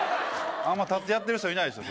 あんま立ってやってる人いないですよ